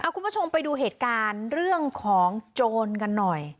คุณผู้ชมไปดูเหตุการณ์เรื่องของโจรกันหน่อย